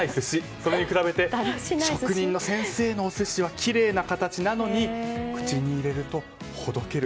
それに比べて職人の先生の寿司はきれいな形なのに口に入れると、ほどける。